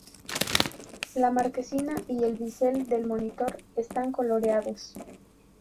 La marquesina y el bisel del monitor están coloreados.